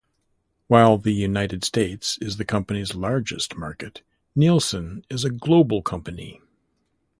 While the United States is the company's largest market, Nielsen is a global company.